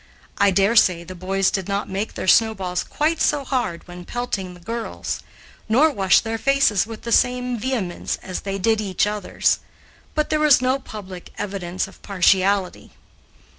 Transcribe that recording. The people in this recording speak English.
I dare say the boys did not make their snowballs quite so hard when pelting the girls, nor wash their faces with the same vehemence as they did each other's, but there was no public evidence of partiality.